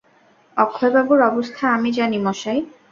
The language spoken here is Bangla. অক্ষয়বাবুর অবস্থা আমি জানি মশায়!